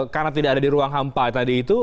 karena tidak ada di ruang hampa tadi itu